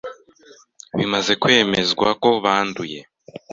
bimaze kwemezwa ko banduye